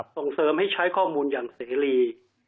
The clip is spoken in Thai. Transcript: ส่งเสริมให้ใช้ข้อมูลอย่างเสรี